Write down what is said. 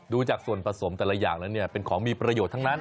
ดูจากส่วนผสมแต่ละอย่างแล้วเนี่ยเป็นของมีประโยชน์ทั้งนั้น